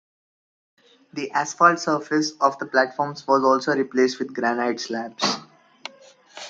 The asphalt surface of the platforms was also replaced with granite slabs.